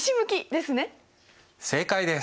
正解です。